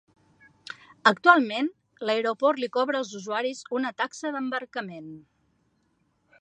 Actualment, l'aeroport li cobra als usuaris una taxa d'embarcament.